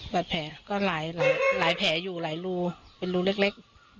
บาดแผลก็หลายหลายหลายแผลอยู่หลายรูเป็นรูเล็กเล็ก